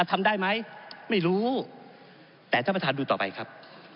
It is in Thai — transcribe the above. ทำได้ไหมไม่รู้แต่ท่านประธานดูต่อไปครับ